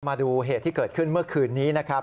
มาดูเหตุที่เกิดขึ้นเมื่อคืนนี้นะครับ